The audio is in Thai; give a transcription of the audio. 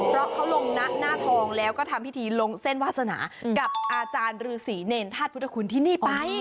เพราะเขาลงนะหน้าทองแล้วก็ทำพิธีลงเส้นวาสนากับอาจารย์ฤษีเนรธาตุพุทธคุณที่นี่ไป